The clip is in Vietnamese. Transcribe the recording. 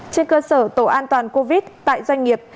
trên cơ sở tổ an toàn covid tại doanh nghiệp